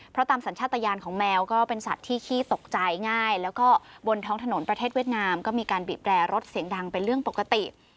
เพราะตามสัญชาติยานของแมวก็เป็นสัตว์ที่ขี้ตกใจง่ายแล้วก็บนท้องถนนประเทศเวียดนามก็มีการบีบแร่รถเสียงดังเป็นเรื่องปกติ